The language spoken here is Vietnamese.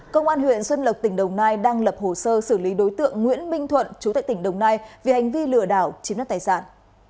công an huyện xuân lộc tỉnh đồng nai đang lập hồ sơ xử lý đối tượng nguyễn minh thuận chú tại tỉnh đồng nai vì hành vi lừa đảo chiếm đất tài sản